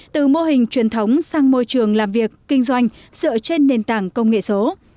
từ mô hình truyền thống sang môi trường làm việc kinh doanh dựa trên nền tảng công nghệ số